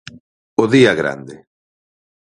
O día grande.